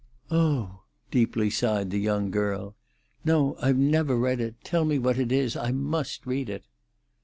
"Oh!" deeply sighed the young girl. "No, I never read it. Tell me what it is. I must read it."